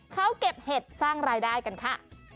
เขาเก็บเห็ดสร้างรายได้กันค่ะ